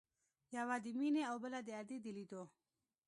يوه د مينې او بله د ادې د ليدو.